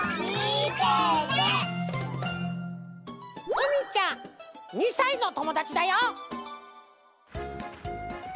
うみちゃん２さいのともだちだよ！